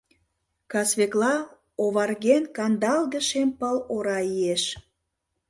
Касвекыла, оварген, кандалге-шем пыл ора иеш.